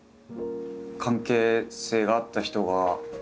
関係性があった人がいたのか。